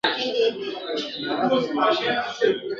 د زړه په تل کي یادولای مي سې ..